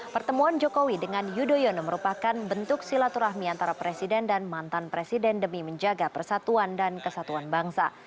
pertemuan jokowi dengan yudhoyono merupakan bentuk silaturahmi antara presiden dan mantan presiden demi menjaga persatuan dan kesatuan bangsa